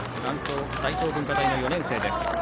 大東文化大の４年生です。